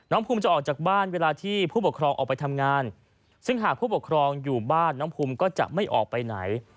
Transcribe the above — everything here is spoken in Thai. ภูมิจะออกจากบ้านเวลาที่ผู้ปกครองออกไปทำงานซึ่งหากผู้ปกครองอยู่บ้านน้องภูมิก็จะไม่ออกไปไหน